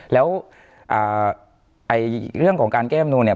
แล้วเรื่องของการแก้มนูนเนี่ย